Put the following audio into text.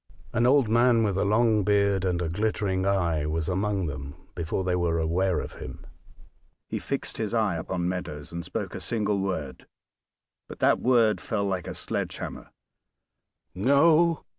An old man, with a long beard and a glittering eye, was among them before they were aware of him; he fixed his eye upon Meadows, and spoke a single word but that word fell like a sledge hammer. "No!!"